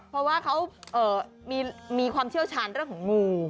เพราะว่าเขามีความเชี่ยวชาญเรื่องของงู